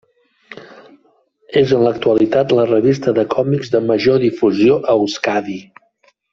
És en l'actualitat la revista de còmics de major difusió a Euskadi.